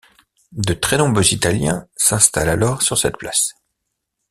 De très nombreux Italiens s'installent alors sur cette place.